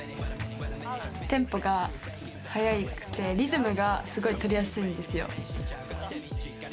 テンポが速くて、リズムがすごい取りやすいんですよ。